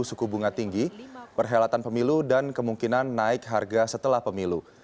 suku bunga tinggi perhelatan pemilu dan kemungkinan naik harga setelah pemilu